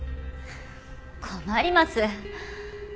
困ります！